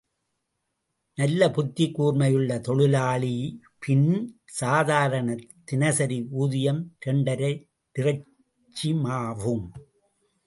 நல்ல புத்திக் கூர்மையுள்ள தொழிலாளி பின் சாதாரணத் தினசரி ஊதியம் இரண்டரை டிரச்சிமாவாகும்.